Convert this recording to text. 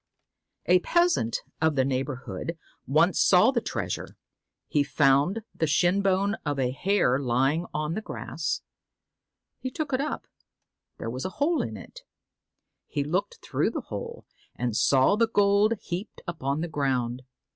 146 A peasant of the neighbourhood once The Three saw the treasure. He found the shin bone and the of a hare lying on the grass. He took it EvllFaenes up ; there was a hole in it ; he looked through the hole, and saw the gold heaped up under the ground.